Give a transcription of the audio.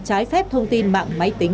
trái phép thông tin mạng máy tính